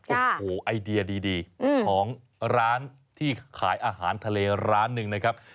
โอ้โหไอเดียดีของร้านที่ขายอาหารทะเลร้านหนึ่งนะครับ